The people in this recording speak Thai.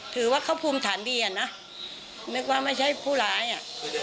ถือว่าเขาภูมิฐานดีอ่ะนะนึกว่าไม่ใช่ผู้ร้ายอ่ะ